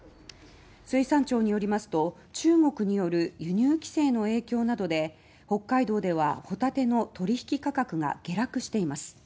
水産庁によりますと中国による輸入規制の影響などで北海道ではホタテの取引価格が下落しています。